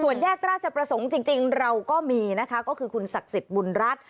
แยกราชประสงค์จริงเราก็มีนะคะก็คือคุณศักดิ์สิทธิ์บุญรัฐ